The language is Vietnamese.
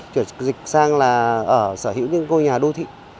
chuyển dịch sang sở hữu những ngôi nhà đô thị